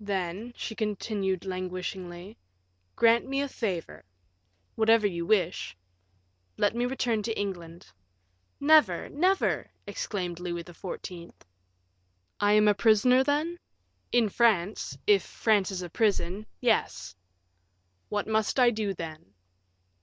"Then," she continued, languishingly, "grant me a favor." "Whatever you wish." "Let me return to England." "Never, never!" exclaimed Louis XIV. "I am a prisoner, then?" "In France if France is a prison yes." "What must I do, then?"